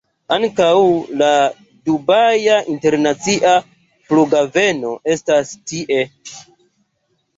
Ankaŭ la Dubaja Internacia Flughaveno estas tie.